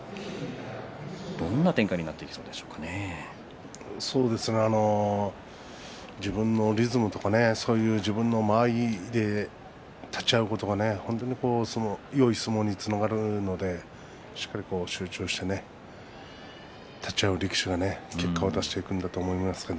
どんな展開になりに自分のリズムとかそういう自分の間合いで立ち合うことが本当によい相撲につながるのでしっかりと集中してね立ち合う力士結果を出していくんだと思うんですが。